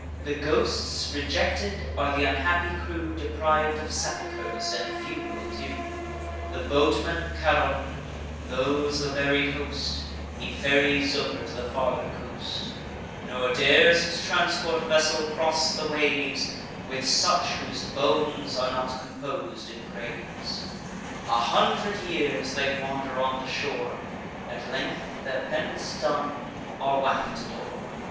The ghosts rejected are th' unhappy crew Depriv'd of sepulchers and fun'ral due: The boatman, Charon; those, the buried host, He ferries over to the farther coast; Nor dares his transport vessel cross the waves With such whose bones are not compos'd in graves. A hundred years they wander on the shore; At length, their penance done, are wafted o'er."